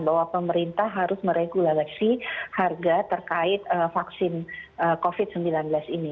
bahwa pemerintah harus meregulasi harga terkait vaksin covid sembilan belas ini